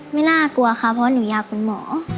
ไม่น่ากลัวค่ะเพราะหนูอยากเป็นหมอ